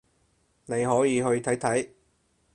你可以去睇睇